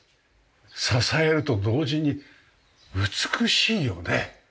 支えると同時に美しいよね。